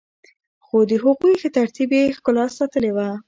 خو د هغوی ښه ترتیب يې ښکلا ساتلي وه.